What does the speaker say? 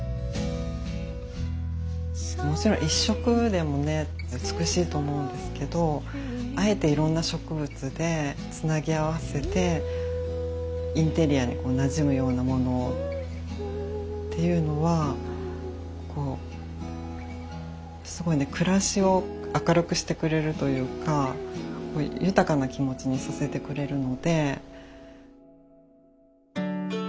もちろん１色でもね美しいと思うんですけどあえていろんな植物でつなぎ合わせてインテリアにこうなじむようなものをっていうのはこうすごいね暮らしを明るくしてくれるというかこう豊かな気持ちにさせてくれるので。